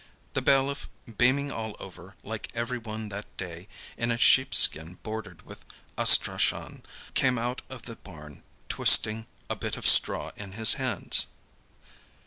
The bailiff, beaming all over, like everyone that day, in a sheepskin bordered with astrachan, came out of the barn, twisting a bit of straw in his hands.